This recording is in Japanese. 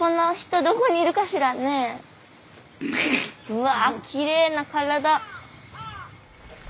うわきれいな体。